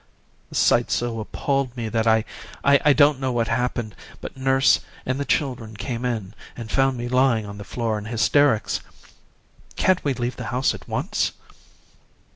The sight so appalled me that I don't know what happened, but nurse and the children came in and found me lying on the floor in hysterics. Can't we leave the house at once?'